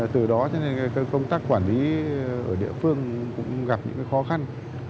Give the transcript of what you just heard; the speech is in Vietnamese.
từ đó công tác quản lý ở địa phương cũng gặp những khó khăn